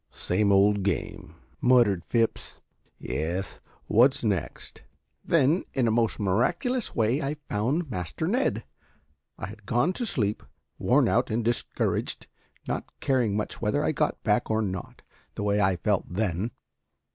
"Same old game," muttered Phipps. "Yes, what next?" "Then in a most miraculous way I found Master Ned. I had gone to sleep, worn out and discouraged, not caring much whether I got back or not, the way I felt then.